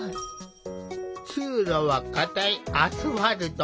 通路はかたいアスファルト。